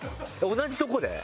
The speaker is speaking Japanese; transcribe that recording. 同じとこで。